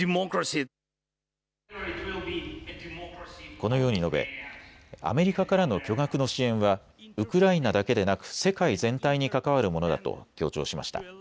このように述べアメリカからの巨額の支援はウクライナだけでなく世界全体に関わるものだと強調しました。